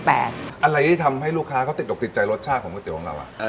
อะไรที่ทำให้ลูกค้าเขาติดอกติดใจรสชาติของก๋วเตี๋ของเรา